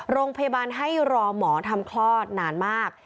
โรงพยาบาลให้รอหมอทำคลอดนานมาก